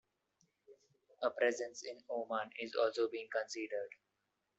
A presence in Oman is also being considered.